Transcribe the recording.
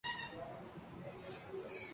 تو انہوں نے اس کے مفہوم پر توجہ دی